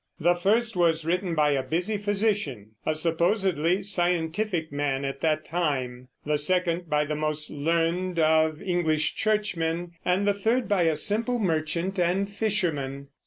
The first was written by a busy physician, a supposedly scientific man at that time; the second by the most learned of English churchmen; and the third by a simple merchant and fisherman.